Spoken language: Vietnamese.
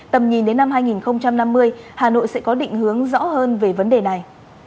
tầm nhìn đến năm hai nghìn năm mươi hà nội sẽ có định hướng rõ hơn về vấn đề này